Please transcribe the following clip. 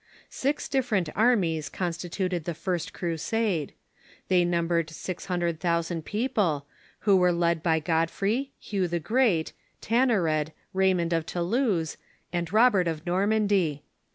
Six different armies constituted the first Crusade. They numbered six hundred thousand people, who were led by God frey, Hugh the Great, Tancred, Raymond of Toulouse, and Robert of Normandy.